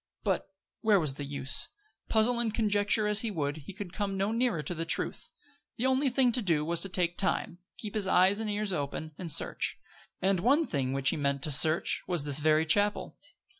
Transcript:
But where was the use? Puzzle and conjecture as he would, he could come no nearer to the truth. The only thing to do was to take time; keep his eyes and ears open, and search. And one thing which he meant to search was this very chapel.